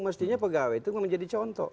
mestinya pegawai itu menjadi contoh